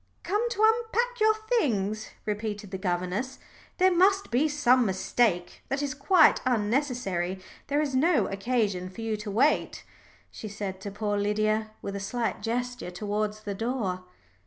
"Come to unpack your things," repeated the governess. "There must be some mistake that is quite unnecessary. There is no occasion for you to wait," she said to poor Lydia, with a slight gesture towards the door.